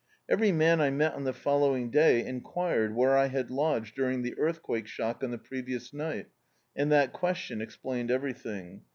Every man I met on the fol lowing day enquired where I had lodged during the earthquake shock on the previous night, and that question explained ever]rthing.